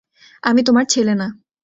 আমি তোমার ছেলে না।